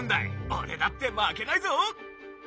俺だって負けないぞ。